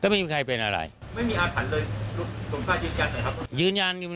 ไม่มีอาถรรพ์เลยลูกศูนย์ภาคยืนยานเลยครับ